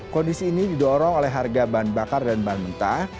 kondisi ini didorong oleh harga bahan bakar dan bahan mentah